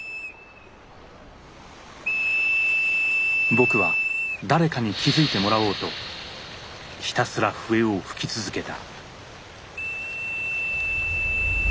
僕は誰かに気づいてもらおうとひたすら笛を吹き続けた。